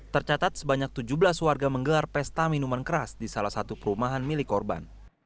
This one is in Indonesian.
tercatat sebanyak tujuh belas warga menggelar pesta minuman keras di salah satu perumahan milik korban